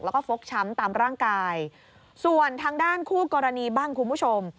แล้วก็ฟกช้ำตามร่างกายส่วนทางด้านคู่กรณีบ้างคุณผู้ชม